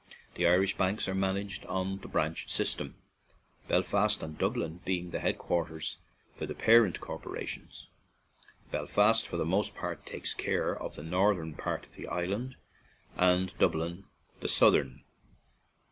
The Irish banks are managed on the branch system, Bel fast and Dublin being the headquarters for the parent corporations. Belfast for the most part takes care of the northern part of the island, and Dublin the south ern.